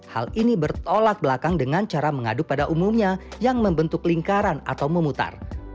hal ini bertolak belakang dengan cara mengaduk pada umumnya yang membentuk lingkaran atau memutar